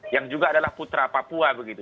yang juga adalah putra papua begitu